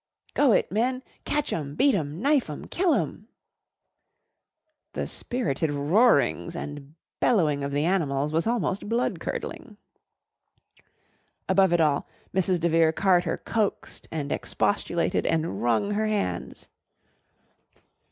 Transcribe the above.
"Go it, men! Catch 'em, beat 'em, knife 'em, kill 'em." The spirited roarings and bellowing of the animals was almost blood curdling. Above it all Mrs. de Vere Carter coaxed and expostulated and wrung her hands.